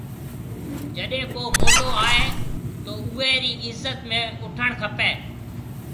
جيڏيَ ڪو موٽو آئي تو اوئي رِي عزت ۾ اُوٺڻ کپيَ۔